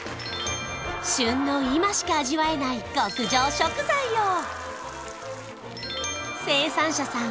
旬の今しか味わえない極上食材を生産者さん